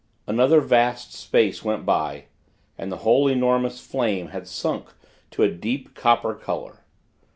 Another vast space went by, and the whole enormous flame had sunk to a deep, copper color.